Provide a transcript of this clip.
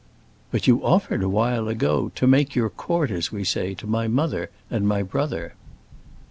"But you offered, a while ago, to make your court as we say, to my mother and my brother."